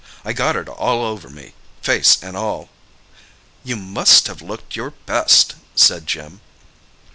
I got it all over me—face and all!" "You must have looked your best!" said Jim.